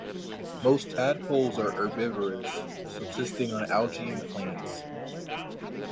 Most tadpoles are herbivorous, subsisting on algae and plants.